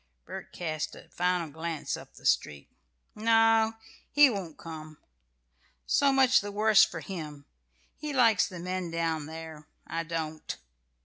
Bert cast a final glance up the street. "No, he won't come now. So much the worse for him! He likes the men down there; I don't."